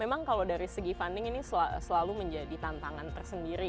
memang kalau dari segi funding ini selalu menjadi tantangan tersendiri